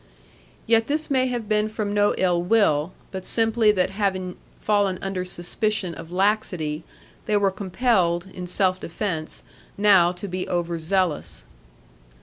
Yet this may have been from no ill will; but simply that having fallen under suspicion of laxity, they were compelled, in self defence, now to be over zealous.